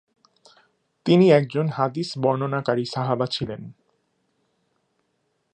তিনি একজন হাদিস বর্ণনাকারী সাহাবা ছিলেন।